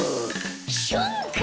しゅんか！